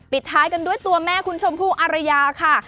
ท้ายกันด้วยตัวแม่คุณชมพู่อารยาค่ะ